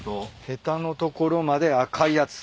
へたの所まで赤いやつ。